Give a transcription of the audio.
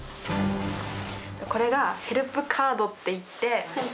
これがヘルプカードっていって。